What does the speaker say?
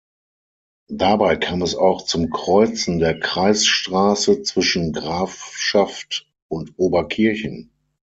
Dabei kam es auch zum Kreuzen der Kreisstraße zwischen Grafschaft und Oberkirchen.